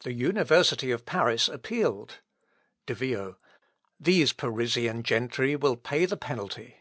_ "The university of Paris appealed." De Vio. "These Parisian gentry will pay the penalty."